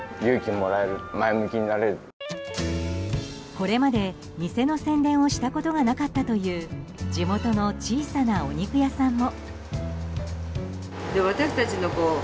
これまで店の宣伝をしたことがなかったという地元の小さなお肉屋さんも。